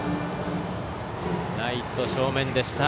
ライト正面でした。